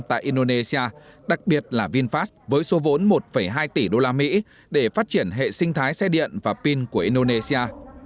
tại indonesia đặc biệt là vinfast với số vốn một hai tỷ usd để phát triển hệ sinh thái xe điện và pin của indonesia